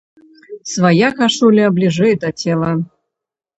Свая кашуля бліжэй да цела.